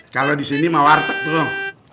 kalau disini mawartek tuh